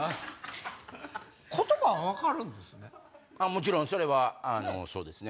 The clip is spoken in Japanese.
もちろんそれはそうですね